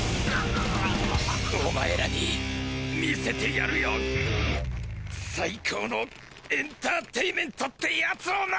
おまえらに見せてやるよ最高のエンターテイメントってやつをな！